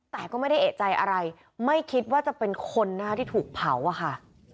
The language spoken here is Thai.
แต่ก็ไม่ได้เอกใจอะไรไม่คิดว่าจะเป็นคนนะคะที่ถูกเผาอะค่ะ